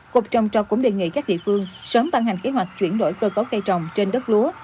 cục trồng trọt cũng đề nghị các địa phương sớm ban hành kế hoạch chuyển đổi cơ cấu cây trồng trên đất lúa